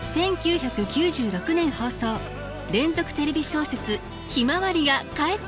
１９９６年放送連続テレビ小説「ひまわり」が帰ってくる。